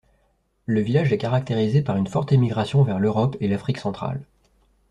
Le village est caractérisé par une forte émigration vers l'Europe et l'Afrique centrale.